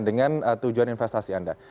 dengan tujuan investasi anda